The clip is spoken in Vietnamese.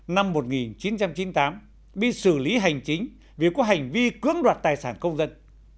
năm một nghìn chín trăm chín mươi tám bị xử lý hành chính vì có hành vi cưỡng đoạt tài sản công dân